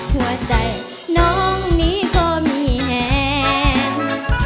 หัวใจน้องนี้ก็มีแห่ง